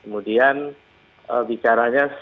mendingan pak amin bicara sebuah hal yang berbeda ya